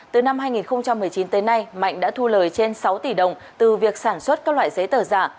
từ năm hai nghìn một mươi chín tới nay mạnh đã thu lời trên sáu tỷ đồng từ việc sản xuất các loại giấy tờ giả